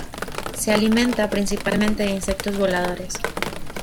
Se alimenta principalmente de insectos voladores.